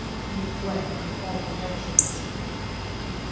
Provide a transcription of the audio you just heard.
1 We fled in all directions.